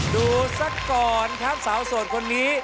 ดูสักก่อนครับสาวโสดคนนี้